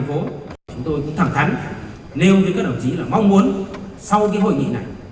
chúng tôi cũng thẳng thắn nêu với các đồng chí là mong muốn sau cái hội nghị này